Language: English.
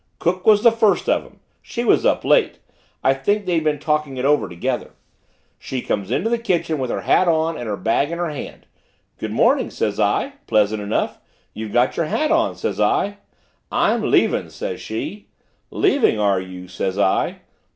"Cook was the first of them she was up late I think they'd been talking it over together. She comes into the kitchen with her hat on and her bag in her hand. 'Good morning,' says I, pleasant enough, 'you've got your hat on,' says I. 'I'm leaving,' says she. 'Leaving, are you?' says I.